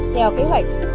theo kế hoạch